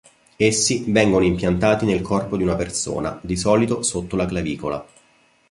Essi vengono impiantati nel corpo di una persona, di solito sotto la clavicola.